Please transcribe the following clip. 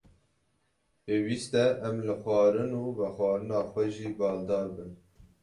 Pêwîst e em li xwarin û vexwarina xwe jî baldar bin.